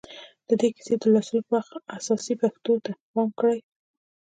د دې کيسې د لوستلو پر وخت اساسي پېښو ته پام وکړئ.